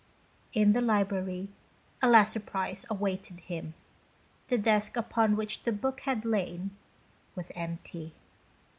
In the library a last surprise awaited him. The desk upon which the book had lain was empty.